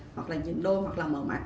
hoặc là nhịn đôi hoặc là mờ mặt